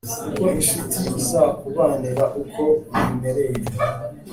kuko incuti izakubanira uko uyimereye